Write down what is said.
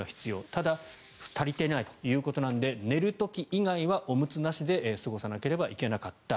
ただ、足りていないということなので寝る時以外はおむつなしで過ごさなければいけなかった。